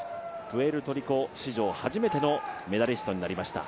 プエルトリコ史上初めてのメダリストになりました。